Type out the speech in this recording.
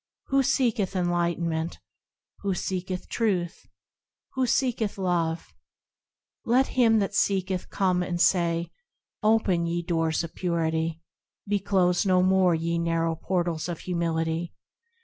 Who seeketh enlightenment ? Who seeketh Truth ? Who seeketh Love ? Let him that seeketh, come, and say,– " Open ! ye doors of Purity ! Be closed no more, ye narrow portals of Humility!